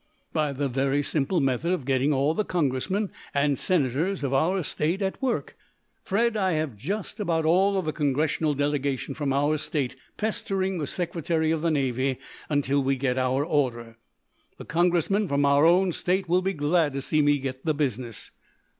By the very simple method of getting all the Congressmen and Senators of our state at work. Fred, I have just about all of the Congressional delegation from our state pestering the Secretary of the Navy until we get our order. The Congressmen from our own state will be glad to see me get the business."